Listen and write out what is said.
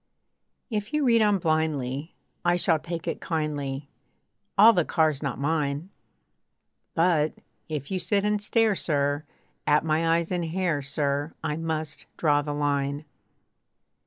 If you read on blindly, I shall take it kindly, All the car's not mine. But, if you sit and stare, sir! At my eyes and hair, sir! I must draw the line.